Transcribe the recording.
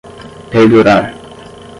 perdurar